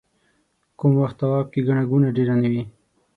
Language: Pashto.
کوم وخت طواف کې ګڼه ګوڼه ډېره نه وي.